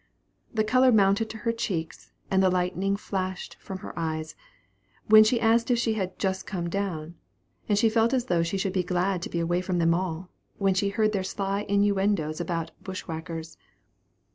The color mounted to her cheeks, and the lightning flashed from her eyes, when asked if she had "just come down;" and she felt as though she should be glad to be away from them all, when she heard their sly innuendoes about "bush wackers."